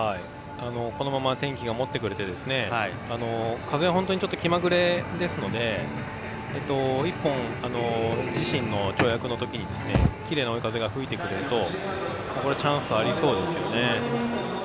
このまま天気がもってくれてね、風はちょっと気まぐれですけれども自身の跳躍のときにきれいな風が吹いてくれるとこれはチャンスがありそうですね。